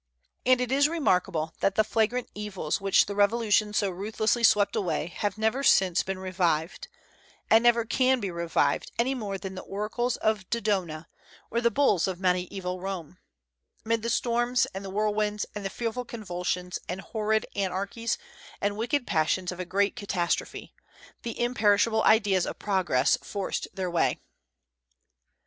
And it is remarkable that the flagrant evils which the Revolution so ruthlessly swept away have never since been revived, and never can be revived any more than the oracles of Dodona or the bulls of Mediaeval Rome; amid the storms and the whirlwinds and the fearful convulsions and horrid anarchies and wicked passions of a great catastrophe, the imperishable ideas of progress forced their way.